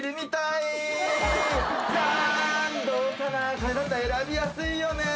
これだったら選びやすいよね！